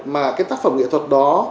mà cái tác phẩm nghệ thuật đó